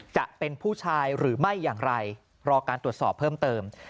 จะเป็นผู้ชายหรือไม่อย่างไรรอการตรวจสอบเพิ่มเติม